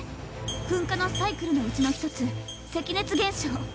噴火のサイクルのうちの一つ「赤熱現象」。